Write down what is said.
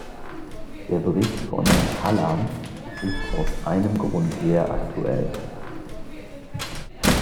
Der Bericht von Herrn Hallam ist aus einem Grund sehr aktuell.